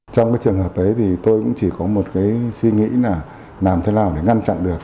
trong trường hợp ấy tôi cũng chỉ có một suy nghĩ là làm thế nào để ngăn chặn được